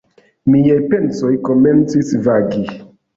Miaj pensoj komencis vagi.